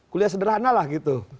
kuliah sederhana lah gitu